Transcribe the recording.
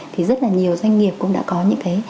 thì rất là nhiều doanh nghiệp cũng đã có những cái